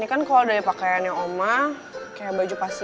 ini kan kalo dari pakaiannya oma kayak baju pasien